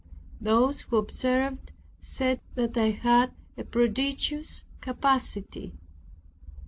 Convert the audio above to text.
Those who observed said that I had a prodigious capacity.